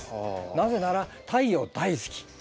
なぜなら太陽大好き。